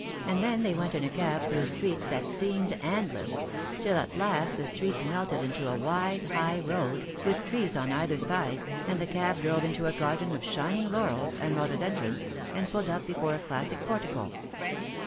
and then they went in a cab through streets that seemed endless, till at last the streets melted into a wide high road, with treea on either side, and the cab drove into a garden of shining laurels and rhododendrons, and pulled up before a classic portico.